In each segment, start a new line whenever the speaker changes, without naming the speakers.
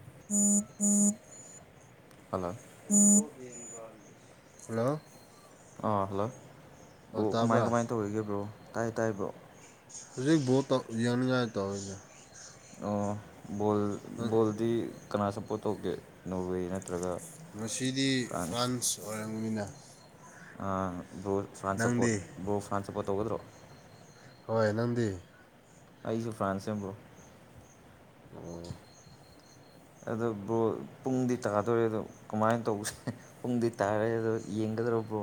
[unintelligible]
ꯍꯂ
ꯍꯜꯂꯣ
ꯑꯥ ꯍꯜꯂꯣ
ꯑꯣ
ꯑꯣꯕ ꯀꯃꯥꯏ
ꯇꯥꯕ꯭ꯔꯥ
ꯀꯃꯥꯏ ꯇꯧꯔꯤꯒꯦꯕ꯭ꯔꯣ ꯇꯥꯏ ꯇꯥꯏꯕ꯭ꯔꯣ
ꯍꯧꯖꯤꯛ ꯣ ꯌꯅꯤ ꯌꯥ ꯇ ꯍꯧꯖ
ꯑꯣ ꯕꯣ ꯕꯣꯜꯗꯤ ꯀꯅꯥ ꯁꯞꯄꯣꯔꯠ ꯇꯧꯒꯦ ꯅꯣꯔꯋꯦ ꯅꯠꯇ
ꯉꯁꯤꯗꯤ ꯐ꯭ꯔꯥꯟꯁ ꯑꯣꯏꯔꯕꯝꯅꯤꯅ
ꯕ꯭ꯔꯣ ꯐ꯭ꯔꯥꯟꯁ
ꯅꯪꯗꯤ
ꯁꯞꯄꯣꯔꯠ ꯕ꯭ꯔꯣ ꯐ꯭ꯔꯥꯟꯁ ꯁꯞꯄꯣꯔꯠ ꯇꯧꯒꯗ꯭ꯔꯣ
ꯍꯣꯏ ꯅꯪꯗꯤ
ꯑꯩꯁꯨ ꯐ꯭ꯔꯥꯟꯁꯦꯝꯕꯨ꯭ꯔꯣ
ꯑꯣ
ꯑꯗꯣ ꯕ꯭ꯔꯣ ꯄꯨꯡꯗꯤ ꯇꯥꯗꯣꯔꯦ ꯑꯗꯣ ꯀꯃꯥꯏꯅ ꯇꯧꯕꯁꯦ ꯄꯨꯡꯗꯤ ꯇꯥꯔꯦ ꯑꯗꯣ ꯗꯗ꯭ꯔꯣꯄꯨ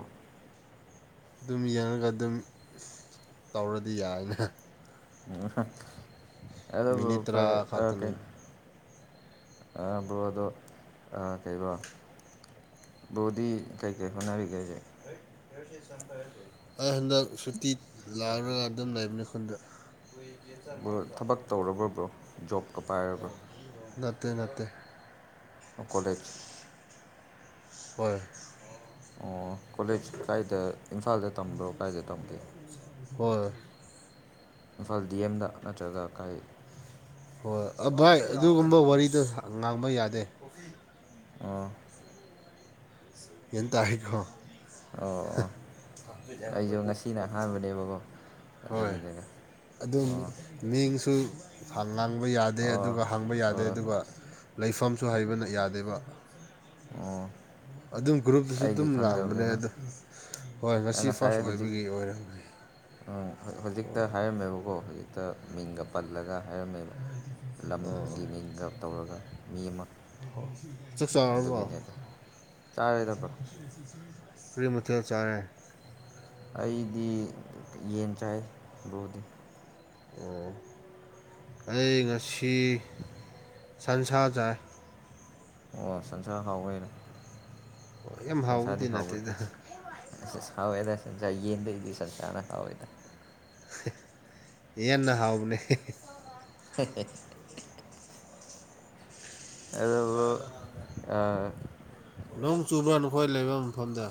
ꯑꯗꯨꯝ ꯌꯦꯡꯉꯒ ꯑꯗꯨꯝ ꯇꯧꯔꯗꯤ ꯌꯥꯏꯅ
ꯑꯣ
ꯃꯤꯅꯤꯠ
ꯐ
ꯇꯔꯥ
ꯑꯣꯦ
ꯈꯛꯇꯅꯦ
ꯑꯝꯕꯣ ꯑꯗꯣ ꯑ ꯀꯩ ꯋꯥ ꯕꯨꯗꯤꯤ ꯀꯩ ꯀꯩ ꯈꯨꯅꯕꯤ ꯀꯁꯦ
ꯑꯩ ꯍꯟꯗꯛ ꯁꯨꯇꯤ ꯂꯥꯛꯑꯔꯒ ꯑꯗꯨꯝ ꯂꯩꯕꯅꯦ ꯈꯨꯟꯗ
ꯊꯕꯛ ꯇꯧꯔꯕꯕ꯭ꯔꯣ ꯖꯣꯕꯀ ꯄꯥꯏꯔꯕ꯭ꯔꯣ
ꯅꯠꯇ ꯅꯠꯇꯦ
ꯀꯂꯦꯖ
ꯍꯣꯏ
ꯑꯣ ꯀꯣꯂꯦꯖ ꯀꯥꯏꯗ ꯏꯝꯐꯥꯜꯗ ꯇꯝꯕ꯭ꯔꯣ ꯀꯥꯏꯗ ꯇꯝꯒꯦ
ꯍꯔ
ꯏꯝꯐꯥꯜ ꯗꯤ ꯑꯦꯝꯗ ꯅꯠꯇ꯭ꯔꯒ ꯀꯥꯏ
ꯍꯣꯏ ꯚꯥꯏ ꯑꯗꯨꯒꯨꯝꯕ ꯋꯥꯔꯤꯗ ꯉꯥꯡꯕ ꯌꯥꯗꯦ
ꯑꯥ
ꯌꯦ ꯇ ꯍꯥꯏꯈꯣ
ꯑꯣ ꯑꯣ ꯑꯩꯁꯨ ꯉꯁꯤꯅ ꯑꯍꯥꯟꯕꯅꯦꯕꯀꯣ
ꯍꯣꯏ
ꯑꯗꯨꯒꯤꯅꯤꯗ
ꯑꯗꯨꯝ
ꯑꯣ
ꯃꯤꯡꯁꯨ ꯉꯥꯡꯕ ꯌꯥꯗꯦ
ꯑꯣ
ꯑꯗꯨꯒ ꯍꯥꯡꯕ
ꯍꯣꯏ
ꯌꯥꯗꯦ
ꯍꯣꯏ
ꯑꯗꯨꯒ ꯂꯩꯐꯝ ꯁꯨ ꯍꯩꯕꯅ ꯌꯥꯗꯦꯕ
ꯑꯣ
ꯑꯗꯨꯝ ꯒ꯭ꯔꯨꯞꯇꯨꯁꯨ
ꯑꯩꯗꯤ
ꯑꯗꯨꯝ ꯂꯥꯡꯕꯅꯦ
ꯈꯪꯗꯕꯅꯤꯅ
ꯑꯗꯣ ꯍꯣꯏ
ꯑꯩ
ꯉꯁꯤ ꯐꯥꯔꯁ
ꯉꯁꯥꯏ ꯍꯧꯖꯤꯛ
ꯑꯣꯏꯕꯒꯤ ꯑꯣꯏꯔꯝꯁ
ꯎꯝ ꯍꯧꯖꯤꯛꯇ ꯍꯥꯏꯔꯝꯃꯦꯕꯀꯣ ꯍꯧꯖꯤꯛꯇ ꯃꯤꯡꯒ ꯄꯜꯂꯒ ꯍꯥꯏꯔꯝꯃꯦꯕ ꯂꯝꯒꯤ ꯃꯤꯡꯒ ꯇꯧꯔꯒ ꯃꯤ ꯑꯃ
ꯆꯛꯆꯔ ꯍ
ꯑꯗꯨꯒꯤꯅꯦꯗ ꯆꯥꯔꯦꯗ ꯕ꯭ꯔꯣ
ꯐ ꯃꯊꯦ ꯆꯥꯔꯦ
ꯑꯩꯗꯤ ꯌꯦꯟ ꯆꯥꯏ ꯕ꯭ꯔꯣꯗꯤ
ꯑ ꯑꯩ ꯉꯁꯤ ꯁꯟꯁꯥꯗꯥꯏ
ꯑꯣ ꯁꯟꯁꯔ ꯍꯥꯎꯕꯔ
ꯌꯥꯝ
ꯁꯁꯗꯤ
ꯍꯥꯎꯕꯗꯤ ꯅꯠꯇꯦꯗ
ꯍꯕꯗ ꯁ ꯆꯥꯏ ꯌꯦꯌꯦ ꯂꯩꯩꯗꯤ ꯆꯁꯥꯅ ꯍꯥꯎꯑꯣꯣꯏꯗ
ꯏ ꯅ ꯍꯥꯎꯕꯅꯦ
ꯍ ꯑꯗꯣ
ꯅꯣꯡ ꯆꯨꯕ꯭ꯔꯥ ꯅꯈꯣꯏ ꯂꯩꯕ ꯃꯐꯝꯗ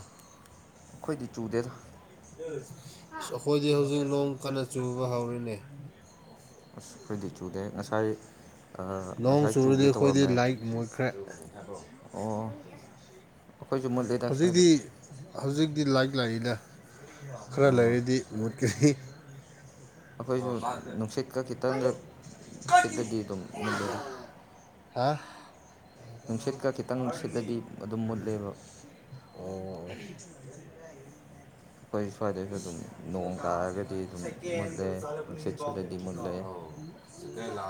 ꯆꯨꯗꯦꯗ
ꯑꯩꯈꯣꯏꯗꯤ ꯍꯧꯖꯤꯛ ꯅꯣꯡ ꯀꯟꯅ ꯆꯨꯕ ꯍꯧꯔꯤꯅꯦ
ꯑꯁ ꯑꯩꯈꯣꯏꯗꯤ ꯆꯨꯗꯦ ꯉꯁꯥꯏ
ꯅꯣꯡ
ꯉꯁꯥꯏ
ꯆꯨꯔꯗꯤ
ꯆꯨꯒꯦ
ꯑꯩꯈꯣꯏꯗꯤ
ꯇꯧꯔꯝꯃꯦ
ꯂꯥꯏꯠ ꯃꯨꯠꯈ꯭ꯔꯦ
ꯑꯣ ꯑꯩꯈꯣꯏꯁꯨ ꯃꯨꯠꯂꯦꯗ ꯁ꯭ꯋꯥꯏꯗ
ꯍꯧꯖꯤꯛꯇꯤ ꯍꯧꯖꯤꯛꯇꯤ ꯂꯥꯏꯔꯤꯛ ꯂꯥꯏꯔꯤꯅ ꯈꯔ
ꯑꯣ
ꯂꯩꯥꯏꯔꯤꯗꯤ ꯃꯨꯠꯈꯦ ꯑ
ꯑꯩꯈꯣꯏꯁꯨ
ꯐꯗꯦ
ꯅꯨꯡꯁꯤꯠꯀ ꯃꯂꯦꯗ
ꯍꯥ
ꯈꯤꯇꯪ ꯁꯤꯠꯂꯗꯤ ꯑꯗꯨꯝ ꯃꯨꯠꯂꯦꯕ
ꯑꯣ [unintelligible]
ꯑꯩꯈꯣꯏ ꯁ꯭ꯋꯥꯏꯗꯁꯨ ꯑꯗꯨꯝ ꯅꯣꯡ ꯇꯥꯔꯒꯗꯤ ꯑꯗꯨꯝ
ꯥꯏ ꯀꯣ
ꯃꯨꯠꯂꯦ
ꯆꯂ ꯄꯨ
ꯅꯨꯡꯁꯤꯠ
ꯅꯤꯄꯥꯎꯗ
ꯁꯤꯠꯂꯗꯤ
ꯆ
ꯃꯨꯠꯂꯦ
ꯀꯩꯂ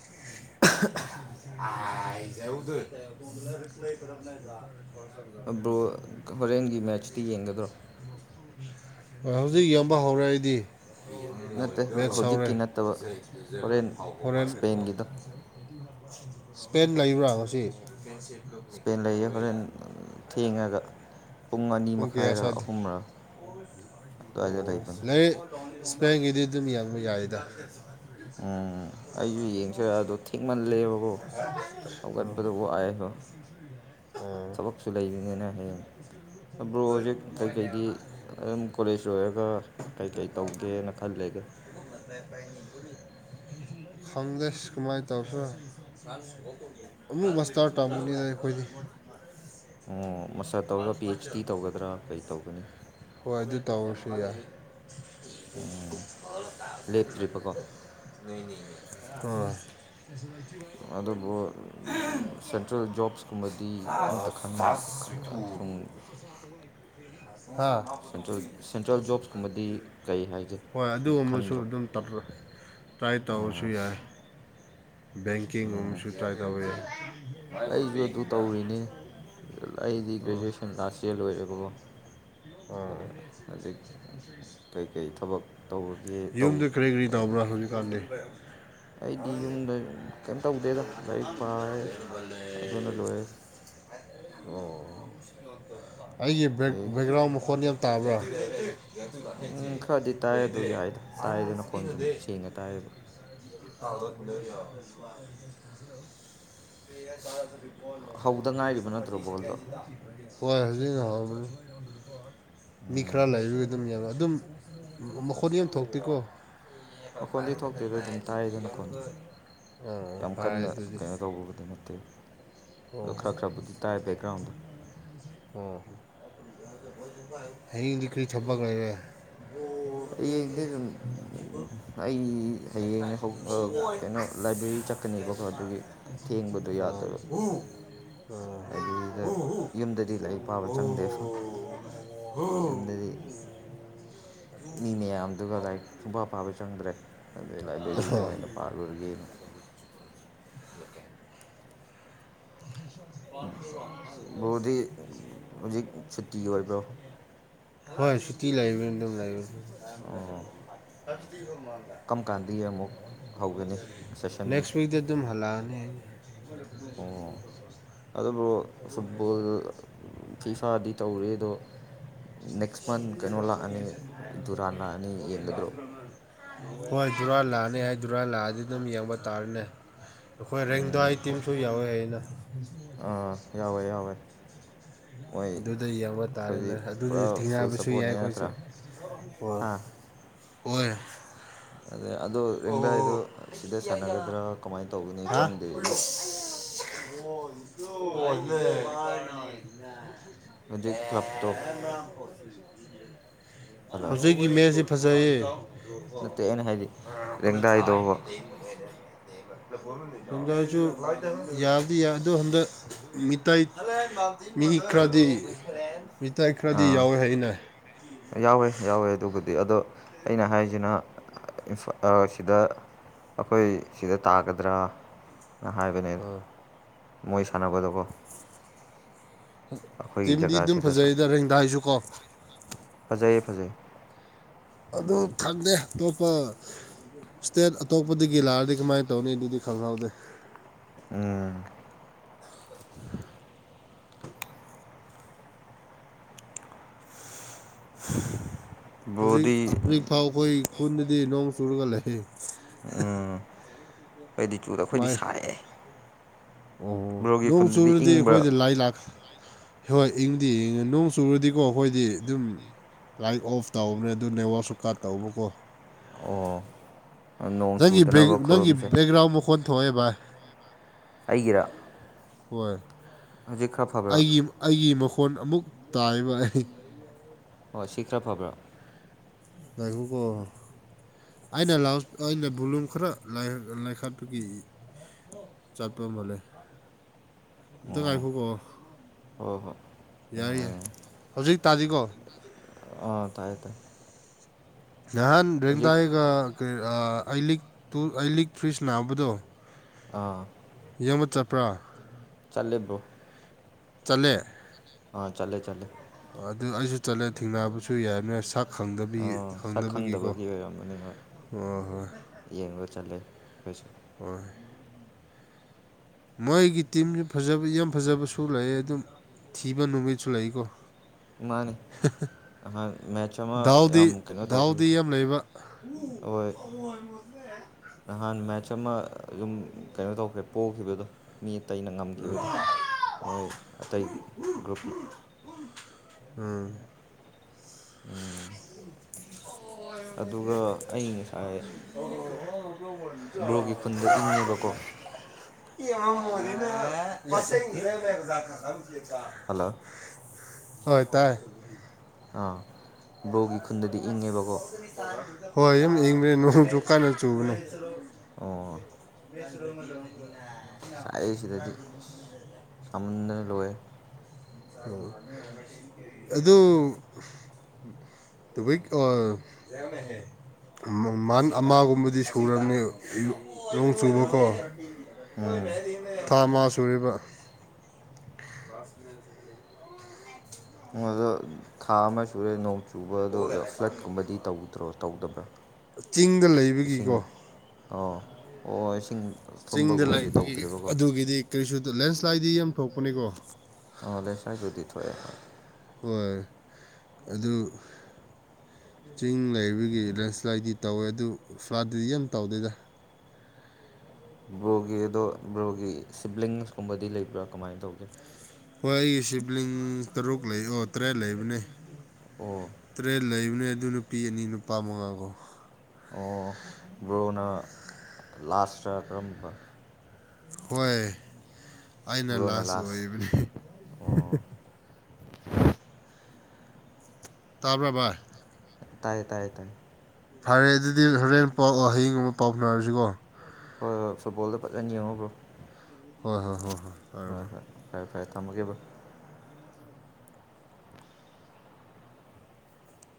ꯌꯥꯗ ꯔꯔꯤꯄ꯭ꯂꯥꯏ
ꯕ꯭ꯔꯣ ꯍꯣꯔꯦꯟꯒꯤ ꯃꯦꯠꯁꯇꯤ ꯌꯦꯡꯒꯗ꯭ꯔꯣ
[unintelligible] ꯍꯧꯖꯤꯛ ꯌꯣꯟꯕ ꯍꯧꯔꯛꯏꯗꯤ
[unintelligible]
ꯅꯦꯠ ꯁꯥꯎꯔꯦ
ꯍꯧꯖꯤꯛꯀꯤ ꯅꯠꯇꯕ ꯍꯣꯔꯦꯟ
ꯍꯣꯔꯦꯟ
ꯏꯁꯄꯦꯟꯒꯤꯗꯣ
ꯏꯁꯄꯦꯟ ꯂꯩꯕ꯭ꯔꯥ ꯉꯁꯤ
ꯏꯁꯄꯦꯟ ꯂꯩꯌꯦ ꯍꯣꯔꯦꯟ ꯊꯦꯡꯉꯒ ꯄꯨꯡ ꯑꯅꯤ
ꯑꯣ
ꯃꯈꯥꯏꯔ
ꯀꯦꯌꯥꯁꯗ
ꯑꯍꯨꯝꯔ ꯑꯗꯨꯋꯥꯏꯗ
ꯑꯣ
ꯂꯩꯕꯅꯤ
ꯂꯩ ꯏꯁꯄꯦꯡꯒꯤꯗꯤ ꯑꯗꯨꯝ ꯌꯦꯡꯕ ꯌꯥꯏꯗ
ꯎꯝ ꯑꯩꯁꯨ ꯌꯦꯡꯁꯤꯔ ꯑꯗꯣ ꯊꯦꯡꯃꯜꯂꯦꯕꯀꯣ ꯍꯧꯒꯠꯄꯗ ꯋꯥꯏꯕ
ꯎꯝ
ꯊꯕꯛꯁꯨ ꯂꯩꯕꯅꯤꯅ ꯍꯌꯦꯡ ꯄ꯭ꯔꯣꯖꯦꯛ ꯀꯩꯀꯩꯗꯤ ꯑꯗꯨꯝ ꯀꯣꯂꯦꯖ ꯂꯣꯏꯔꯒ ꯀꯩꯀꯩ ꯇꯧꯒꯦꯅ ꯈꯜꯂꯒꯦ [unintelligible]
ꯈꯪꯗꯦꯁ ꯀꯃꯥꯏꯅ ꯇꯧꯁ ꯑꯃꯨꯛ ꯃꯁꯇꯥꯔ ꯇꯝꯕꯅꯤ ꯑꯩꯈꯣꯏꯗꯤ
ꯑꯣ ꯃꯁꯥ ꯇꯧꯔꯒ ꯄꯤ ꯑꯩꯆ ꯗꯤ ꯇꯧꯒꯗ꯭ꯔꯥ ꯀꯩ ꯇꯧꯒꯅꯤ
ꯑꯣꯏꯗꯨ ꯇꯧ ꯁꯌꯥ
ꯎꯝ ꯂꯦꯞꯇ꯭ꯔꯤꯕꯀꯣ ꯑꯗꯨꯕꯨ
ꯑꯣ
ꯁꯦꯟꯇ꯭ꯔꯦꯜ ꯖꯣꯕꯁ ꯀꯨꯝꯕꯗꯤ ꯑꯝꯇ ꯈꯟ ꯁꯨꯝ
ꯍꯥꯥ
ꯁꯦꯟꯇ꯭ꯔꯦꯜ ꯁꯦꯟꯇ꯭ꯔꯦꯜ ꯖꯣꯕꯁꯀꯨꯝꯕꯗꯤ ꯀꯩ ꯍꯥꯏꯒꯦ
ꯍꯣꯏ
ꯁꯨꯝ
ꯑꯗꯨꯒꯨꯝꯕꯁꯨ
ꯈꯟꯗ꯭ꯔꯣ
ꯑꯗꯨꯝ ꯇꯧ ꯇꯥꯏ ꯇꯧꯁꯨ
ꯑꯣ
ꯌꯥꯏ ꯦꯡꯀꯤꯡ
ꯎꯝ
ꯑꯣꯁꯨ ꯆꯥꯏ ꯇꯧꯕ
ꯑꯩꯁꯨ ꯑꯗꯨ ꯇꯧꯔꯤꯅꯤ ꯑꯩꯗꯤ ꯒ꯭ꯔꯦꯖꯨꯋꯦꯁꯟ ꯂꯥꯁ ꯌꯔ ꯂꯣꯏꯔꯦꯕꯀꯣ
ꯑꯣ
ꯍꯧꯖꯤꯛ ꯀꯩꯀꯩ ꯊꯕꯛ ꯇꯧꯔꯒꯦ ꯇꯧ
ꯌꯨꯝꯗ ꯀꯔꯤ ꯀꯔꯤ
ꯍꯥꯏꯗꯤ
ꯇꯧꯕ꯭ꯔꯥ ꯑꯁꯨꯅꯤ ꯀ
ꯑꯩꯗꯤ ꯌꯨꯝꯗ ꯀꯩꯝ ꯇꯧꯗꯦꯗ ꯂꯥꯏꯔꯤꯛ
ꯀꯅ
ꯄꯥꯔꯦ
ꯃ
ꯑꯗꯨꯅ ꯂꯣꯏꯔꯦ
ꯑꯣ ꯑꯩꯒꯤ
ꯑꯗꯩ
ꯕꯦꯛꯒ꯭ꯔꯥꯎꯟ ꯃꯈꯣꯟ ꯌꯥꯝ ꯇꯥꯕ꯭ꯔꯥ
ꯎꯝ ꯈꯔꯗꯤ ꯇꯥꯏ ꯑꯗꯨ
ꯦ
ꯌꯥꯏꯗ ꯇꯥꯏꯗꯅ ꯈꯣꯟ
ꯁꯅꯦ
ꯁꯨꯝ ꯁꯦꯡꯅ ꯇꯥꯏꯌꯦꯕ
[unintelligible]
ꯍꯧꯗ ꯉꯥꯏꯔꯤꯕ ꯅꯠꯇ꯭ꯔꯣ ꯕꯣꯜꯗꯣ
ꯑꯣꯏꯁꯅꯤ ꯂꯥ ꯃꯤ
ꯎꯝ
ꯈꯔ ꯂꯩꯕꯒ ꯑꯗꯨꯝ ꯌꯥꯕ ꯑꯗꯨꯝ ꯃꯈꯣꯠ ꯌꯥꯝ ꯊꯣꯛꯇꯦꯀꯣ
ꯃꯈꯣꯟꯗꯤ ꯊꯣꯛꯇꯦꯗ ꯑꯗꯨꯝ ꯇꯥꯏꯗꯅ ꯈꯣꯟꯗꯣ
ꯄ
ꯌꯥꯝ ꯀꯟꯅ ꯀꯩꯅꯣ ꯇꯧꯕꯕꯨꯗꯤ ꯅꯠꯇꯦ
ꯑꯣ
ꯑꯗꯣ ꯈꯔ
ꯍ
ꯈꯔꯕꯨꯗꯤ ꯇꯥꯏ ꯕꯦꯛꯒ꯭ꯔꯥꯎꯟꯗ
ꯑ ꯍ ꯑꯩ ꯂꯤꯅꯤ ꯀꯔꯤ ꯊꯄꯒꯦꯦ
ꯑꯩꯗꯤ ꯑꯩ ꯍꯌꯦꯡ ꯀꯩꯅꯣ ꯂꯥꯏꯕ꯭ꯔꯦꯔꯤ ꯆꯠꯀꯅꯦꯕꯀꯣ ꯑꯗꯨꯒꯤ
ꯑꯝ
ꯑꯩꯕꯤꯗ ꯌꯨꯝꯗꯗꯤ ꯂꯩ ꯄꯥꯕ ꯆꯪꯗꯦ ꯌꯗꯤ ꯃꯤ ꯃꯌꯥꯝꯗꯨꯒ ꯂꯥꯏꯔꯤꯛ ꯁꯨꯡꯐ ꯄꯥꯕ ꯆꯪꯗ꯭ꯔꯦ ꯑꯩ ꯂꯥꯏꯕ꯭ꯔꯦꯔꯤꯗ
ꯑꯣ
ꯑꯣꯏꯅ ꯄꯥꯜꯂꯨꯔꯒꯦꯅ ꯕ꯭ꯔꯣꯗꯤ ꯍꯧꯖꯤꯛ ꯁꯨꯇꯤ ꯑꯣꯏꯕ꯭ꯔꯣ
[unintelligible] ꯍꯣꯏ ꯁꯨꯇꯤ ꯂꯩꯕꯅꯤ ꯑꯗꯨꯝ
ꯑꯣ
ꯂꯩꯥꯛꯕ
ꯀꯔꯝ ꯀꯥꯟꯗꯒꯤ ꯑꯃꯨꯛ ꯍꯧꯒꯅꯤ ꯁꯦꯁꯟꯗꯤ
ꯅꯦꯛꯁ ꯋꯤꯛꯗ ꯑꯗꯨꯝ ꯍꯜꯂꯛꯑꯅꯤ [unintelligible]
ꯑꯗꯨꯕꯨ ꯐꯨꯠꯕꯣꯜ ꯐꯤ ꯐꯥꯗꯤ ꯇꯧꯔꯤ ꯑꯗꯣ ꯅꯦꯛꯁ ꯃꯟ ꯀꯩꯅꯣ ꯂꯥꯛꯑꯅꯤ ꯗꯨꯔꯥꯟ ꯂꯥꯛꯑꯅꯤ
[unintelligible]
ꯌꯦꯡꯒꯗ꯭ꯔꯣ
ꯍꯣꯏ ꯈꯔ ꯂꯥꯛꯑꯅꯤ ꯍꯥꯏꯗꯨꯔꯥ ꯂꯥꯛꯑꯗꯤ ꯑꯗꯨꯝ ꯌꯦꯡꯕ ꯇꯥꯔꯅꯦ ꯑꯩꯈꯣꯏ
ꯎꯝ,
ꯔꯦꯡꯗꯋꯥꯏ
ꯈꯣ-
ꯇꯤꯝꯁꯨ ꯌꯥꯎꯋꯦ ꯑꯩꯅ
ꯑꯥ ꯌꯥꯎꯋꯦ ꯌꯥꯎꯋꯦ ꯃꯣꯏ
ꯑꯗꯨꯗ ꯌꯦꯡꯕ
ꯑꯩꯈꯣꯏꯗꯤ
ꯇꯥꯔꯦꯅꯦ ꯑꯗꯨꯗꯤ
ꯄꯨꯔꯥ
ꯊ
ꯐꯨꯜ
ꯌꯥꯕꯁꯨ ꯌꯥꯏ
ꯁꯞꯄꯣꯔꯠꯅꯦ
ꯑꯩꯈꯣꯏꯁꯨ
ꯅꯠꯇ꯭ꯔꯥ
ꯍꯣꯏ
[unintelligible]
ꯑꯣꯏꯔ
ꯑ ꯑꯗꯣ ꯔꯦꯡꯗꯥꯏꯗꯣ ꯁꯤꯗ ꯁꯥꯟꯅꯒꯗ꯭ꯔꯥ ꯀꯃꯥꯏꯅ ꯇꯧꯒꯅꯤ
ꯍꯥ
ꯈꯪꯗꯦ ꯑꯩꯕꯨ [unintelligible]
[unintelligible]
ꯍꯧꯖꯤꯛ
ꯑ
ꯀ꯭ꯂꯕꯇꯣ
ꯔꯝꯄ
ꯍꯜꯂꯣ
ꯍꯧꯖꯤꯛꯀꯤ ꯃꯦꯠꯁꯤ ꯐꯖꯩꯌꯦ
ꯅꯠꯇꯦ ꯑꯅ ꯍꯥꯏꯗꯤ
ꯎꯂ ꯊꯥꯏ
ꯂꯦꯡꯗꯥꯏꯗꯣꯕ
ꯃꯤ ꯂꯩꯔꯦ
[unintelligible]
ꯗꯁꯨ ꯌꯥꯗꯤꯗꯣ ꯍꯟꯗꯛ ꯃꯤꯇꯥꯏ ꯃꯤ ꯈꯔꯗꯤ ꯃꯤꯇꯩ ꯈꯔꯗꯤ
ꯑꯥ
ꯌꯥꯎꯋꯦ ꯍꯥꯏꯅꯩ
ꯑꯗꯨꯒꯕꯨꯗꯤ ꯑꯗꯣ ꯑꯩꯅ ꯍꯥꯏꯁꯤꯅ ꯁꯤꯗ ꯑꯩꯈꯣꯏ ꯁꯤꯗ ꯇꯥꯒꯗ꯭ꯔꯥ ꯅ ꯍꯥꯏꯕꯅꯦ
ꯑꯥ
ꯃꯣꯏ ꯁꯥꯟꯅꯒꯗꯕꯣ ꯑꯩꯈꯣꯏꯒꯤ
ꯇꯤꯝꯗꯤ ꯑꯗꯨꯝ
ꯖꯒꯥꯁꯤꯗ
ꯐꯖꯩꯗ ꯔꯦꯡꯗꯥꯏꯁꯨ ꯀꯣ
ꯐꯖꯩꯌꯦ ꯐꯖꯩ
ꯑꯗꯨ ꯈꯪꯗꯦ ꯑꯇꯣꯞꯄ ꯏꯁꯇꯦꯠ ꯑꯇꯣꯞꯄꯗꯒꯤ ꯂꯥꯛꯑꯗꯤ ꯀꯃꯥꯏꯅ ꯇꯧꯅꯤ ꯑꯗꯨꯗꯤ ꯈꯪꯍꯥꯎꯗꯦ
ꯎꯝ [unintelligible]
ꯍꯧꯖꯤꯛ
ꯕ꯭ꯔꯣꯗꯤ
ꯍꯧꯖꯤꯛꯐꯥꯎ ꯑꯩꯈꯣꯏ ꯈꯨꯨꯟꯗꯗꯤ ꯅꯣꯡ ꯆꯨꯔꯒ ꯂꯩꯏ
ꯎꯝ ꯑꯩꯏꯗꯤ ꯆꯨꯗ ꯑꯩꯈꯣꯏꯗꯤ
ꯀꯃꯥꯏ
ꯁꯥꯏꯑꯦ
ꯑꯣ ꯂꯣꯡ ꯆꯨꯔꯗꯤ
ꯏꯪꯕ꯭ꯔꯥ
ꯑꯩꯈꯣꯏꯗ ꯂꯥꯏ ꯂꯥꯛ ꯍꯣꯏ ꯏꯪꯗꯤ ꯏꯉ ꯅꯣꯡ ꯆꯨꯔꯗꯤꯀꯣ ꯑꯩꯈꯣꯏꯗꯤ ꯑꯗꯨꯝ ꯂꯥꯏꯠ ꯑꯣꯐ ꯇꯧꯕꯅꯦ ꯑꯗꯨ ꯅꯦꯠꯋꯥꯛꯁꯨ ꯀꯠ ꯇꯧꯕꯀꯣ
ꯑꯣ ꯅꯣꯡ
ꯅꯪꯒꯤ
ꯆꯨꯗꯅꯕ
ꯅꯪꯒꯤ
ꯈꯨꯔꯨꯝꯁꯦ
ꯕꯦꯛꯒ꯭ꯔꯥꯎꯟ ꯃꯈꯣꯟ ꯊꯣꯛꯑꯦ ꯚꯥꯏ
ꯑꯩꯒꯤꯔ
ꯍꯣꯏ
ꯍꯧꯖꯤꯛ ꯈꯔ ꯐꯕ꯭ꯔꯥ
ꯑꯩꯒꯤ ꯑꯩꯒꯤ ꯃꯈꯣꯟ ꯑꯃꯨꯛ ꯇꯥꯏꯕꯅꯤ
ꯑꯣ ꯁꯤ ꯈꯔ ꯐꯕ꯭ꯔꯥ
ꯉꯈꯀ ꯑꯩꯅ ꯂꯥꯎ ꯑꯩꯅ ꯕꯕꯨꯂꯨꯝ ꯈꯔ ꯂꯩꯥꯏꯈꯥꯄꯒꯤ ꯆꯠꯄꯝꯕꯂꯦ ꯏꯇꯪ ꯉꯥꯏꯈꯣ ꯀꯣ
ꯍ ꯍꯣ
ꯌꯥꯔ ꯌꯥꯏ ꯍꯧꯖꯤꯛ ꯇꯥꯗꯤꯀꯣ
ꯇꯥꯏꯇꯥ
ꯅꯍꯥꯟ ꯔꯦꯡꯗꯥꯥꯏꯒ ꯀ ꯑꯩ ꯂꯤꯛꯇ ꯇꯨ ꯑꯩ ꯂꯤꯛ ꯐ꯭ꯔꯤꯖ ꯅꯥꯕꯗꯣ
ꯑꯥ
ꯌꯡꯕ ꯆꯠꯄ꯭ꯔꯥ
ꯆꯂꯦꯕ꯭ꯔꯣ
ꯆꯂꯦ
ꯑꯥ ꯆꯂꯦ ꯆꯂꯦ
ꯑꯗꯨ ꯑꯩꯁꯨ ꯆꯠꯂꯦ ꯊꯦꯡꯅꯕꯁꯨ ꯌꯥꯏꯅꯦ ꯁꯛ ꯈꯪꯗꯕꯤ
ꯑꯥ ꯁꯛ
ꯈꯪꯗꯅꯕꯒꯤꯀꯣ
ꯈꯪꯗꯕꯒꯤ ꯑꯣꯏꯔꯝꯃꯅꯤ ꯍꯣꯏ
ꯑ ꯍꯣꯏ
ꯌꯦꯡꯕ ꯆꯠꯂꯦ ꯑꯩꯈꯣꯏꯁꯨ
ꯑꯣ
[unintelligible]
ꯃꯣꯏꯒꯤ ꯇꯤꯝꯁꯨ ꯐꯖꯕ ꯌꯥꯝ ꯐꯖꯕꯁꯨ ꯂꯩ ꯑꯗꯨꯝ ꯊꯤꯕ ꯅꯨꯃꯤꯠꯁꯨ ꯂꯩꯀꯣ
ꯃꯥꯅꯤ ꯅꯍꯥꯟ ꯃꯦꯠꯆ ꯑꯃ
ꯗꯥꯎꯗꯤ
ꯌꯥꯝ ꯀꯩꯅꯣ
ꯗꯥꯎꯗꯤ
ꯇꯧꯈꯤꯕꯗꯣ
ꯌꯥꯝ ꯂꯩꯕ ꯎ
ꯍꯣꯏ
ꯍ [inaudible]
ꯅꯍꯥꯟ ꯃꯦꯠꯆ ꯑꯃ ꯑꯗꯨꯝ ꯀꯩꯅꯣ ꯇꯧꯈ꯭ꯔꯦ ꯄꯣꯛꯈꯤꯕꯗꯣ ꯃꯤ ꯑꯇꯩꯩꯅ ꯉꯝꯈꯤꯕꯗꯣ ꯃꯣꯏ ꯑꯇꯩ ꯒ꯭ꯔꯨꯞꯅ
ꯑꯝ
ꯎꯝ
ꯎꯝ
[unintelligible] ꯑꯗꯨꯒ ꯑꯩ ꯉꯁꯥꯏ ꯕ꯭ꯔꯣꯒꯤ ꯈꯨꯟꯗ ꯏꯪꯉꯦꯕꯀꯣ [unintelligible] ꯍꯜꯂꯣ
[unintelligible] ꯍꯣꯏ ꯇꯥꯏ
ꯕ꯭ꯂꯣꯒꯤ ꯈꯨꯟꯗꯗꯤ ꯏꯪꯉꯦꯕꯀꯣ
ꯍꯣꯏ ꯌꯥꯝ ꯏꯪꯗꯦ ꯅꯣꯡꯁꯨꯨ ꯀꯥꯟꯅ ꯆꯨꯕꯅꯣ
ꯑ ꯁꯥꯏꯌꯦ
[unintelligible]
ꯆꯜꯂꯣꯏ
ꯑꯣ ꯑꯗꯨ ꯑꯩ ꯑ [inaudible] ꯃꯟ ꯑꯃꯒꯨꯝꯕꯗꯤ ꯁꯨꯔꯕꯅꯤ ꯅꯣꯡ ꯆꯨꯕꯀꯣ
ꯎꯝ
ꯊꯥ ꯃꯥ ꯁꯨꯔꯤꯕ
ꯑꯗꯣ ꯊꯥ ꯑꯃ ꯁꯨꯔꯦ ꯅꯣꯡ ꯆꯨꯕꯗꯣ ꯐ꯭ꯂꯠꯀꯨꯝꯕꯗꯤ ꯇꯧꯗ꯭ꯔꯣ ꯇꯧꯗꯕ꯭ꯔꯥ
ꯆꯤꯡꯗ
ꯏꯁꯤꯡ
ꯂꯩꯕꯒꯤꯀꯣ
ꯑꯣ ꯑꯣ ꯏꯁꯤꯡ
ꯆꯤꯡꯗ
ꯊꯨꯝꯕꯒꯨꯝꯕꯗꯤ
ꯂꯩꯕꯒꯤ
ꯇꯧꯗ꯭ꯔꯦꯕꯀꯣ
ꯑꯗꯨꯒꯤꯗꯤ ꯀꯔꯤꯁꯨ ꯂꯦꯟꯁ꯭ꯂꯥꯏꯗꯤ ꯌꯥꯝ ꯊꯣꯛꯄꯅꯤꯀꯣ
ꯑ ꯂꯦꯟꯁꯥꯏꯄꯨꯗꯤ ꯊꯣꯛꯑꯦ ꯍꯣꯏ
ꯍꯣꯏ ꯑꯗꯨ ꯆꯤꯡ ꯂꯩꯕꯒꯤ ꯂꯦꯟꯁ꯭ꯂꯥꯏꯗꯤ ꯇꯧꯋꯦ ꯑꯗꯨ ꯐ꯭ꯂꯥꯏꯠꯇꯗꯤ ꯌꯥꯝ ꯇꯧꯗꯦꯗ
ꯒꯤ ꯑꯗꯣ ꯕ꯭ꯔꯣꯒꯤ ꯁꯤꯕ꯭ꯂꯤꯡꯁ ꯀꯨꯝꯕꯗꯤ ꯂꯩꯕ꯭ꯔꯥ ꯀꯃꯥꯏꯅ ꯇꯧꯒꯦ
ꯍꯣꯏ ꯑꯩꯒꯤ ꯁꯤꯕ꯭ꯂꯤꯡ ꯇꯔꯨꯛ ꯂꯩ ꯑꯣ ꯇꯔꯦꯠ ꯂꯩꯕꯅꯦ
ꯑꯣ
ꯇꯔꯦꯠ ꯂꯩꯕꯅꯦ ꯑꯗꯨ ꯅꯨꯄꯤ ꯑꯅꯤ ꯅꯨꯄꯥ ꯃꯉꯥ ꯀꯣ
ꯂꯥꯁꯇ ꯀꯔꯝꯕ
ꯍꯣꯏ ꯑꯩꯅ ꯂꯥꯁ ꯑꯣꯏꯕꯅꯤ
ꯑꯣ
ꯇꯥꯔꯕ꯭ꯔ ꯚꯥꯏ
ꯇꯥꯏꯌꯦ ꯇꯥꯏ ꯇꯥꯏ
ꯐꯔꯦ ꯑꯗꯨꯗꯤ ꯍꯣꯔꯦꯟ ꯄꯥꯎ ꯍꯌꯦꯡ ꯑꯃꯨꯛ ꯄꯥꯎ ꯐꯥꯎꯅꯔꯁꯤꯀꯣ
ꯍꯣꯏ ꯍꯣꯏ ꯐꯨꯕꯣꯜꯗ ꯐꯖꯅ ꯌꯦꯡꯉꯨꯕ꯭ꯔꯣ
ꯍꯣꯏ ꯍꯣꯏ ꯍꯣꯏ ꯍꯣꯏ ꯐꯔꯦ
ꯍꯣꯏ
ꯐꯔꯦ
ꯍꯣꯏ ꯐꯔꯦ ꯐꯔꯦ ꯊꯝꯃꯒꯦꯕ